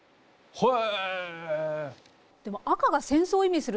はい。